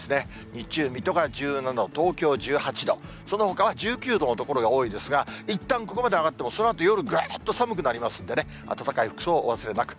日中、水戸が１７度、東京１８度、そのほかは１９度の所が多いですが、いったんここまで上がっても、そのあと夜、ぐーっと寒くなりますんでね、暖かい服装、お忘れなく。